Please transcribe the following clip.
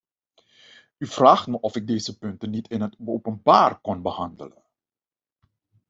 U vraagt me of ik deze punten niet in het openbaar kon behandelen.